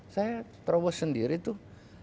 saya terobos sendiri tuh